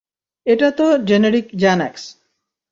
এটা তো generic Xanax.